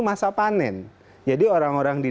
masa panen jadi orang orang di